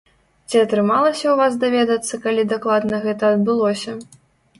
Ці атрымалася ў вас даведацца, калі дакладна гэта адбылося?